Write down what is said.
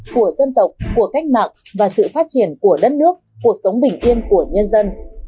của dân tộc của cách mạng và sự phát triển của đất nước cuộc sống bình yên của nhân dân